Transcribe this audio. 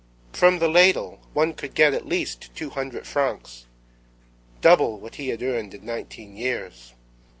—From the ladle one could get at least two hundred francs.—Double what he had earned in nineteen years.